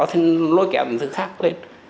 thì lôi kẹp dựng khác lên